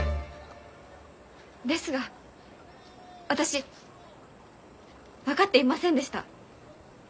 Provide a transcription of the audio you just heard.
ですが私分かっていませんでした。